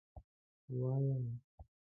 _وايه.